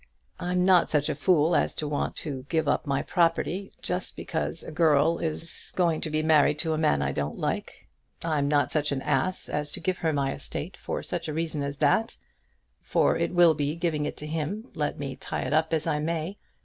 I'm not such a fool as to want to give up my property just because a girl is going to be married to a man I don't like. I'm not such an ass as to give him my estate for such a reason as that; for it will be giving it to him, let me tie it up as I may.